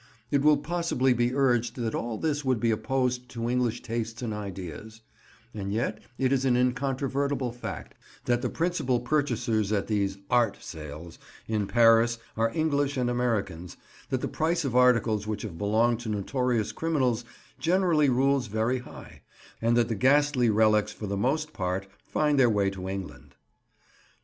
It will possibly be urged that all this would be opposed to English tastes and ideas; and yet it is an incontrovertible fact that the principal purchasers at these "art" sales in Paris are English and Americans, that the price of articles which have belonged to notorious criminals generally rules very high, and that the ghastly relics for the most part find their way to England.